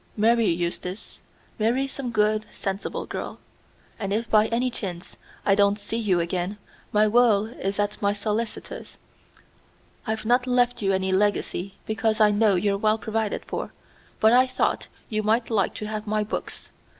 Marry, Eustace. Marry some good, sensible girl. And if by any chance I don't see you again, my will is at my solicitor's. I've not left you any legacy, because I know you're well provided for, but I thought you might like to have my books.